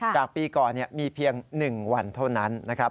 จากปีก่อนมีเพียง๑วันเท่านั้นนะครับ